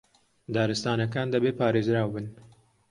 دارستانەکان دەبێ پارێزراو بن